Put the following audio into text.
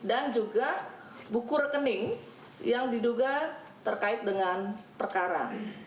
dan juga buku rekening yang diduga terkait dengan perkara